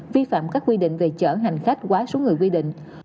vi phạm các quy định về chở hành khách quá số người quy định